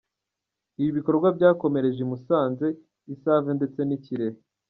Ibi bikorwa byakomereje i Musanze, i Save ndetse n’i Kirehe.